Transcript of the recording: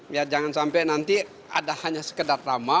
biar jangan sampai nanti ada hanya sekedar drama